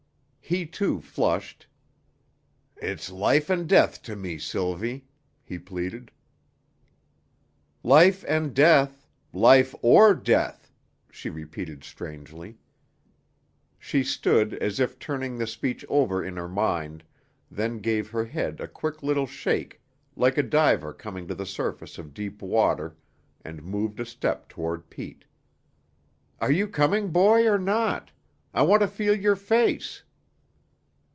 He too flushed. "It's life and death to me, Sylvie," he pleaded. "Life and death life or death," she repeated strangely. She stood, as if turning the speech over in her mind, then gave her head a quick little shake like a diver coming to the surface of deep water, and moved a step toward Pete. "Are you coming, boy, or not? I want to feel your face."